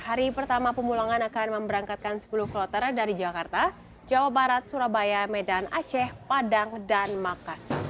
hari pertama pemulangan akan memberangkatkan sepuluh kloter dari jakarta jawa barat surabaya medan aceh padang dan makassar